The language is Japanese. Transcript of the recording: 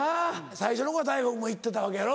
最初の頃は太賀君も行ってたわけやろ？